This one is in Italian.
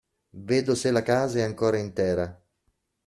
Vedo se la casa è ancora intera.